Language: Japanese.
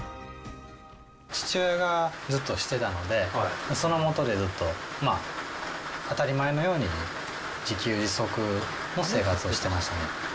父親がずっとしてたので、その下でずっと、当たり前のように自給自足の生活をしてましたね。